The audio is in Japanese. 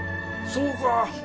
そうか。